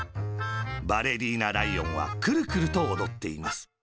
バレリーナライオンは、くるくるとおどっています。